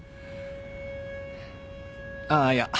あっいや